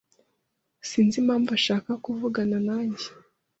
Sinzi impamvu ashaka kuvugana nanjye.